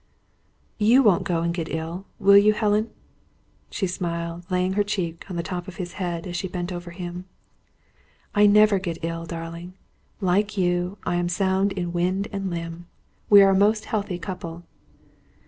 "You won't go and get ill, will you, Helen?" She smiled, laying her cheek on the top of his head, as she bent over him. "I never get ill, darling. Like you, I am sound in wind and limb. We are a most healthy couple."